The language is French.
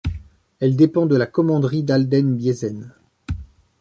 Elle dépend de la Commanderie d'Alden Biesen.